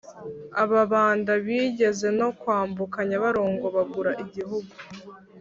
ababanda bigeze no kwambuka nyabarongo, bagura igihugu